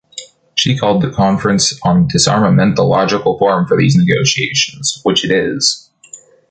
She called the Conference on Disarmament "the logical forum for these negotiations," which it is.